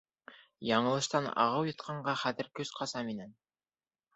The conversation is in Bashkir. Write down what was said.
— Яңылыштан ағыу йотҡанға, хәҙер көс ҡаса минән.